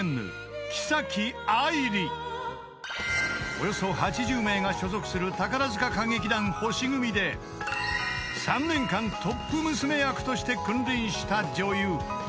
［およそ８０名が所属する宝塚歌劇団星組で３年間トップ娘役として君臨した女優］